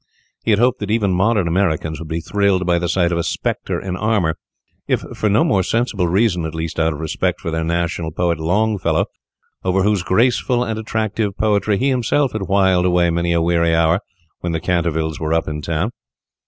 He had hoped that even modern Americans would be thrilled by the sight of a Spectre in armour, if for no more sensible reason, at least out of respect for their natural poet Longfellow, over whose graceful and attractive poetry he himself had whiled away many a weary hour when the Cantervilles were up in town.